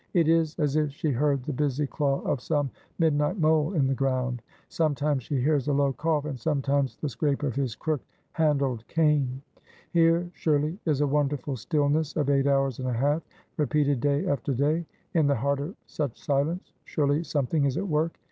It is, as if she heard the busy claw of some midnight mole in the ground. Sometimes, she hears a low cough, and sometimes the scrape of his crook handled cane. Here surely is a wonderful stillness of eight hours and a half, repeated day after day. In the heart of such silence, surely something is at work.